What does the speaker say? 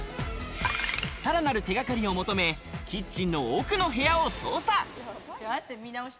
さらなる手掛かりを求め、キッチンの奥の部屋を捜査。